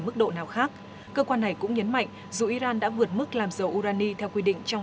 mức độ nào khác cơ quan này cũng nhấn mạnh dù iran đã vượt mức làm dầu urani theo quy định trong